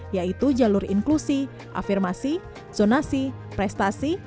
yaitu jalur inklusi afirmasi zonasi prestasi